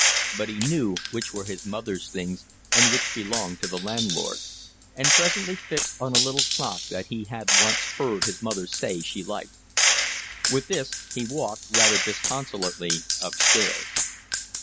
But he knew which were his mother's things and which belonged to the landlord, and presently fixed on a little clock that he had once heard his mother say she liked. With this he walked again rather disconsolately upstairs.